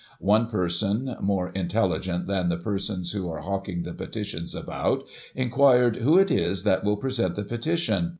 One person, more intelligent than the persons who are hawking the petitions about, inquired who it is that will present the petition